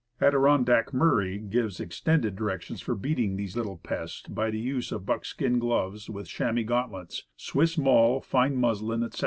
"Adirondack Murray" gives extended directions for beating these little pests by the use of buckskin gloves with chamois gauntlets, Swiss mull, fine muslin, etc.